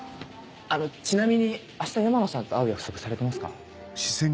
あのちなみに明日山野さんと会う約束されてますか？